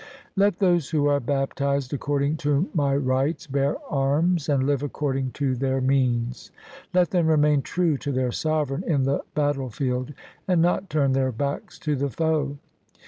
2 ' Let those who are baptized according to my rites bear arms and live according to their means. Let them remain true to their sovereign in the battle field, and not turn their backs to the foe.